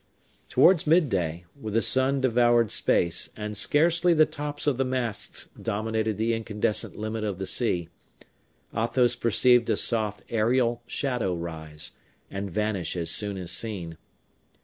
Towards midday, when the sun devoured space, and scarcely the tops of the masts dominated the incandescent limit of the sea, Athos perceived a soft aerial shadow rise, and vanish as soon as seen.